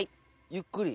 ゆっくり。